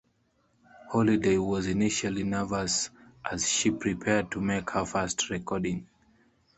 Holiday was initially nervous as she prepared to make her first recording.